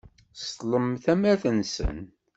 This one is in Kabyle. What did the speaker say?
Seṭṭlen tamart-nsen.